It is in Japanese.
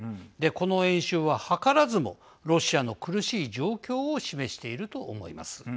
この演習は、図らずもロシアの苦しい状況を示していると思います。